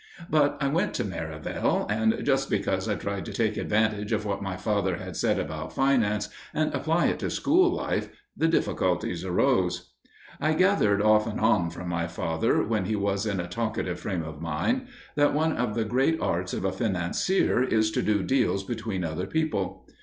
But I went to Merivale, and just because I tried to take advantage of what my father had said about finance and apply it to school life, the difficulties arose. I gathered off and on from my father, when he was in a talkative frame of mind, that one of the great arts of a financier is to do deals between other people.